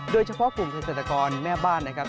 โดยเฉพาะกลุ่มเกษตรกรแม่บ้านนะครับ